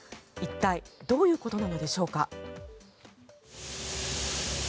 一体どういうことなのでしょうか。